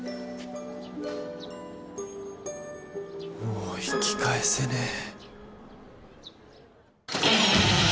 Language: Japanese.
もう引き返せねえ。